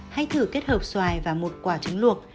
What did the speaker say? hay thử kết hợp xoài và một quả trứng luộc